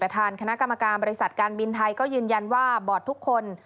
ทางคณะกรรมการบริษัทการบินไทยก็ยืนยันว่าบอร์ดทุกคน